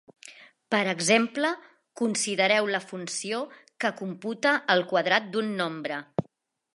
Per exemple, considereu la funció que computa el quadrat d'un nombre.